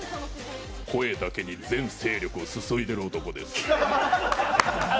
声だけに全勢力を注いでいる男です。